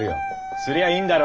すりゃあいいんだろ！